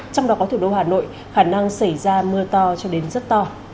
trong đó có thủ đô hà nội khả năng xảy ra mưa to cho đến rất to